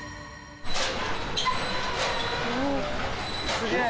すげえ。